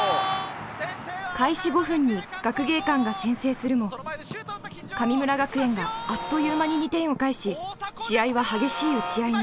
開始５分に学芸館が先制するも神村学園があっという間に２点を返し試合は激しい打ち合いに。